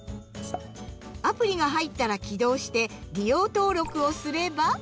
アプリが入ったら起動して「利用登録」をすれば。